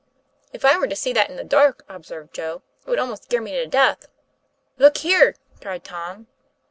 '* If I were to see that in the dark," observed Joe, ' it would almost scare me to death." "My God! look here!" cried Tom.